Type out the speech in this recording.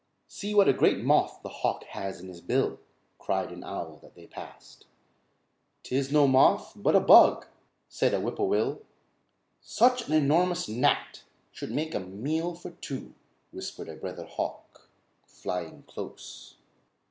"See what a great moth the hawk has in his bill," cried an owl that they passed. "'Tis no moth but a bug," said a whip poor will. "Such an enormous gnat should make a meal for two," whispered a brother hawk, flying close.